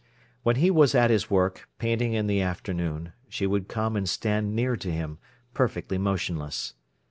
When he was at his work, painting in the afternoon, she would come and stand near to him, perfectly motionless.